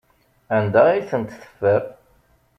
Anda ay tent-teffer?